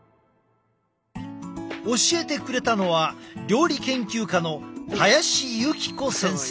教えてくれたのは料理研究家の林幸子先生。